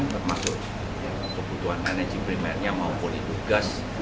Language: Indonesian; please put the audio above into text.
termasuk kebutuhan energi primernya maupun itu gas